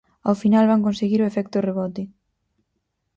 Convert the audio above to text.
Ao final van conseguir o efecto rebote.